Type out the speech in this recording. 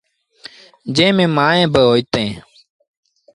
جݩهݩ ميݩ مائيٚݩ با هوئيٚتيٚݩ۔